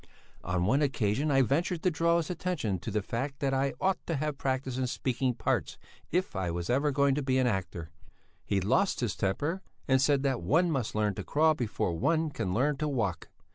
On one occasion I ventured to draw his attention to the fact that I ought to have practice in speaking parts if I was ever going to be an actor. He lost his temper and said that one must learn to crawl before one can learn to walk.